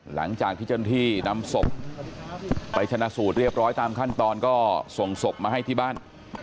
หลังจากที่เจ้าหน้าที่นำศพไปชนะสูตรเรียบร้อยตามขั้นตอนก็ส่งศพมาให้ที่บ้าน